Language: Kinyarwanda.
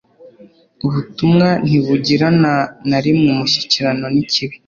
Ubutumwa ntibugirana na rimwe umushyikirano n'ikibi.